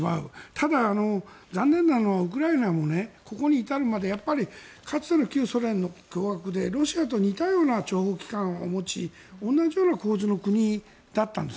ただ、残念なのはウクライナもここに至るまでやっぱりかつての旧ソ連の共和国でロシアと似たような諜報機関を持ち同じような構図の国だったんです。